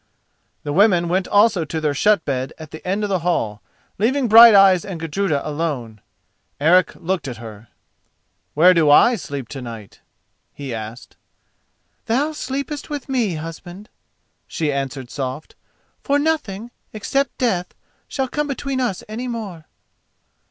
The women went also to their shut bed at the end of the hall, leaving Brighteyes and Gudruda alone. Eric looked at her. "Where do I sleep to night?" he asked. "Thou sleepest with me, husband," she answered soft, "for nothing, except Death, shall come between us any more."